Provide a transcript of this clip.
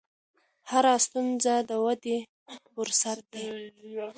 هره ستونزه د ودې فرصت دی.